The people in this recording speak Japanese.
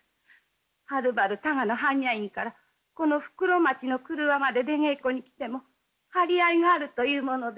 はるばる多賀の般若院からこの袋町のくるわまで出稽古に来ても張り合いがあるというものです。